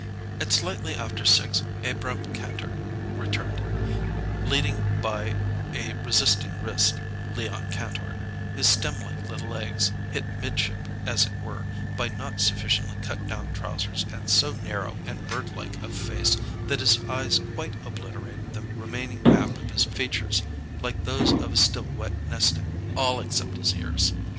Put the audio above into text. At slightly after six Abrahm Kantor returned, leading by a resisting wrist Leon Kantor, his stemlike little legs, hit midship, as it were, by not sufficiently cut down trousers and so narrow and birdlike of face that his eyes quite obliterated the remaining map of his features, like those of a still wet nestling. All except his ears.